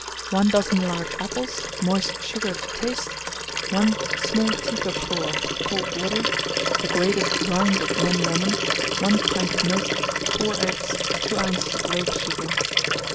1 dozen large apples, moist sugar to taste, 1 small teacupful of cold water, the grated rind of one lemon, 1 pint of milk, 4 eggs, 2 oz. of loaf sugar.